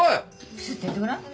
ぷすってやってごらん。